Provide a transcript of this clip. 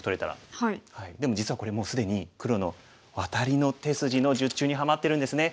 でも実はこれもう既に黒のワタリの手筋の術中にはまってるんですね。